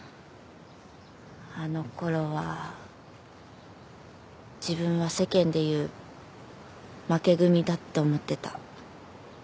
あの頃は自分は世間でいう負け組だって思ってた。